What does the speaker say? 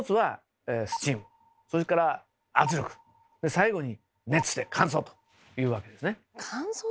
最後に「熱で乾燥」というわけですね。